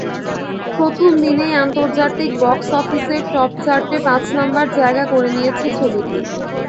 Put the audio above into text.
প্রথম দিনেই আন্তর্জাতিক বক্স অফিসের টপচার্টে পাঁচ নম্বরে জায়গা করে নিয়েছে ছবিটি।